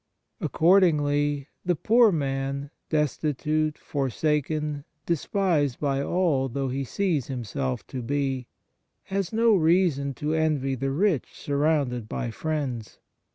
Accord ingly, the poor man destitute, forsaken, despised by all though he sees himself to be has no reason to envy the rich man surrounded by friends.